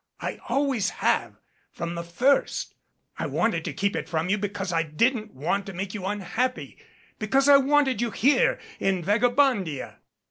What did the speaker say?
I always have from the first. I wanted to keep it from you because I didn't want to make you unhappy, because I wanted you here in Vagabondia.